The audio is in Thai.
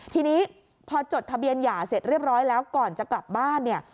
ทีนี้พอจดทะเบียนหย่าเสร็จเรียบร้อยแล้วก่อนจะกลับบ้านเนี่ย